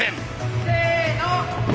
せの！